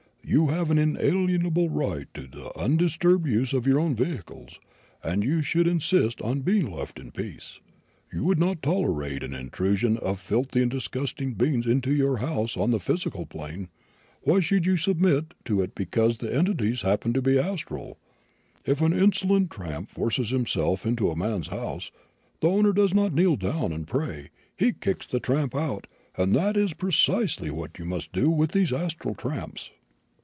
You have an inalienable right to the undisturbed use of your own vehicles, and you should insist on being left in peace. You would not tolerate an intrusion of filthy and disgusting beings into your house on the physical plane; why should you submit to it because the entities happen to be astral? If an insolent tramp forces himself into a man's house, the owner does not kneel down and pray he kicks the tramp out; and that is precisely what you must do with these astral tramps.